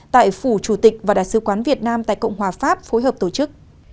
tại phủ chủ tịch và đại sứ quán việt nam tại cộng hòa pháp phối hợp tổ chức